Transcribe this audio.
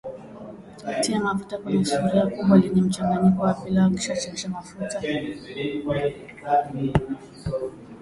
Tia mafuta kwenye sufuria kubwa lenye mchanganyiko wa pilau kisha chemsha mafuta